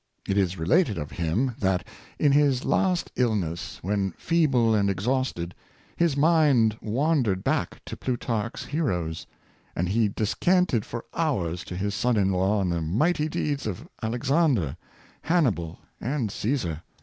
It is related of him, that in his last ill ness, when feeble and exhausted, his mind wandered 550 Influence of Plutarch. back to Plutarch's heroes; and he descanted for hours to his son in law on the mighty deeds of Alexander, Hannibal, and Caesar.